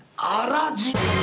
あらじ。